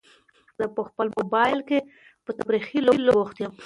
زه په خپل موبایل کې په تفریحي لوبو بوخت یم.